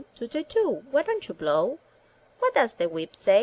toot a toot! Why don't you blow?'* What does the whip say?